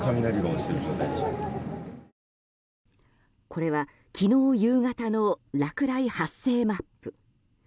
これは昨日夕方の落雷発生マップ。